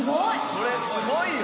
これすごいよ！